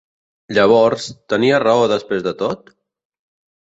Llavors, tenia raó després de tot?